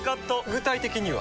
具体的には？